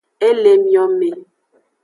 E le emiome.